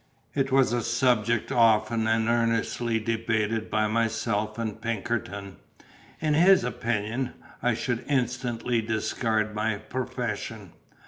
It was a subject often and earnestly debated by myself and Pinkerton. In his opinion, I should instantly discard my profession.